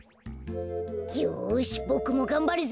よしボクもがんばるぞ！